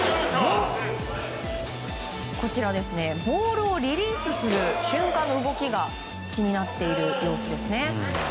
ボールをリリースする瞬間の動きが気になっている様子ですね。